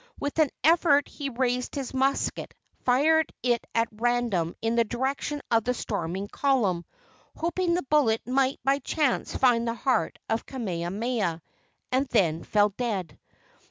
With an effort he raised his musket, fired it at random in the direction of the storming column, hoping the bullet might by chance find the heart of Kamehameha, and then fell dead.